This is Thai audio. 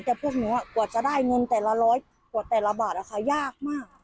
เพราะกูมีคนที่จะได้เงินแต่ละร้อยแต่ละบาทยากมาก